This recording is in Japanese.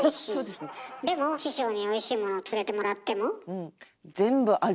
でも師匠においしいものを連れてもらっても？